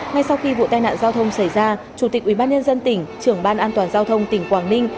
ngay sau khi vụ tai nạn giao thông xảy ra chủ tịch ubnd tỉnh trưởng ban an toàn giao thông tỉnh quảng ninh